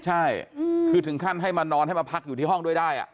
ใช่คือถึงขั้นให้มานอนให้มาพักอยู่ที่ห้องด้วยได้